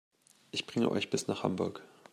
Ich bringe euch bis nach Hamburg